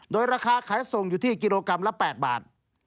โดยราคาขายส่งอยู่ที่กิโลกรัมละ๘บาท